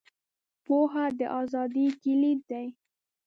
• پوهه، د ازادۍ کلید دی.